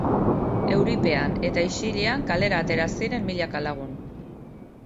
Euripean eta isilean kalera atera ziren milaka lagun.